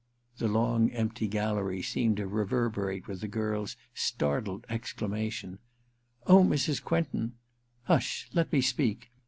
The long empty gallery seemed to reverberate with the girl's startled exclamation —* Oh, Mrs. Quentin '* Hush ; let me speak.